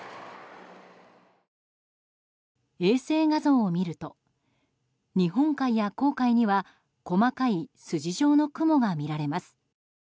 衛星画像を見ると日本海や黄海には細かい筋状の雲が見られます。